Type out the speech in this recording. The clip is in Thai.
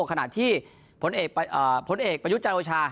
ขณะที่ผลเอกประยุทธ์จันทร์โอชา